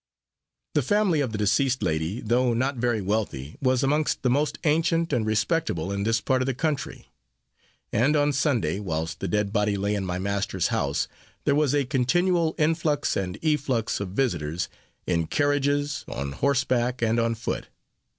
The family of the deceased lady, though not very wealthy, was amongst the most ancient and respectable in this part of the country; and, on Sunday, whilst the dead body lay in my master's house, there was a continual influx and efflux of visiters, in carriages, on horse back, and on foot.